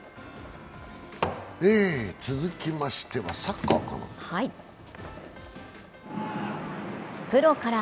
続きましてはサッカーかな。